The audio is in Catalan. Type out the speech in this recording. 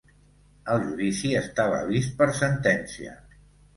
El judici estava vist per sentència.